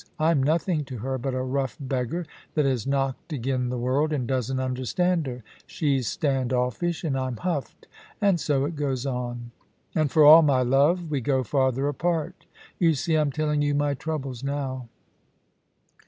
I'm nothing to her but a rough beggar that has knocked agen the world and doesn't understand her. She's stand ofRsh, and I'm huffed — and so it goes on ; and for all my love, we go farther apart ..• You see I'm telling you my trou bles now.'